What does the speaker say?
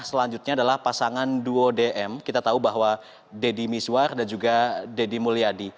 selanjutnya adalah pasangan duo dm kita tahu bahwa deddy miswar dan juga deddy mulyadi